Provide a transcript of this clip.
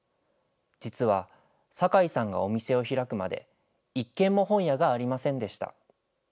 実は、酒井さんがお店を開くまで、１軒も本屋がありませんでした。